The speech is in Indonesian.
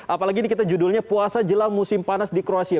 apalagi ini kita judulnya puasa jelang musim panas di kroasia